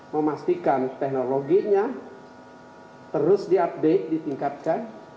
memastikan teknologinya terus diupdate ditingkatkan